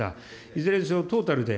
いずれにせよトータルで、